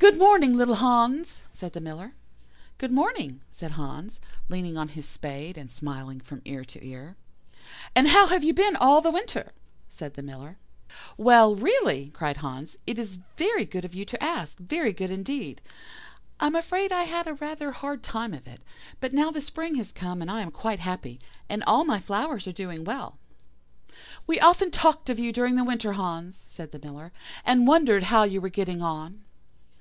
"'Good morning, little Hans,' said the Miller. "'Good morning,' said Hans, leaning on his spade, and smiling from ear to ear. "'And how have you been all the winter?' said the Miller. "'Well, really,' cried Hans, 'it is very good of you to ask, very good indeed. I am afraid I had rather a hard time of it, but now the spring has come, and I am quite happy, and all my flowers are doing well.' "'We often talked of you during the winter, Hans,' said the Miller, 'and wondered how you were getting on.